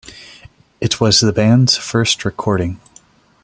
It was the band's first recording.